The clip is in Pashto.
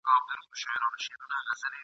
چي دي راوړې کیسه ناښاده !.